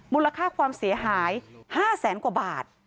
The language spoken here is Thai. มูลค่าความเสียหาย๕แสนกว่าบาท